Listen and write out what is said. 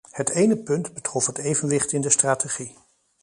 Het ene punt betrof het evenwicht in de strategie.